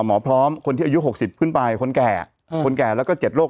หมอพร้อมคนที่อายุ๖๐ขึ้นไปคนแก่คนแก่แล้วก็๗โรค